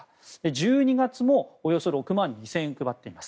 １２月もおよそ６万２０００円配っています。